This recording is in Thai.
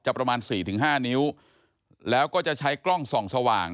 จะประมาณ๔๕นิ้วแล้วก็จะใช้กล้องส่องสว่าง